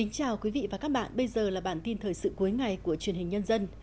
chào mừng quý vị đến với bản tin thời sự cuối ngày của truyền hình nhân dân